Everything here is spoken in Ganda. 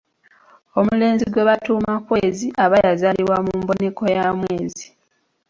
Omulenzi gwe batuuma Kwezi aba yazaalibwa mu mboneko ya mwezi.